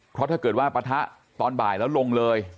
เพราะถ้าเกิดว่าปะทะตอนบ่ายแล้วลงเลย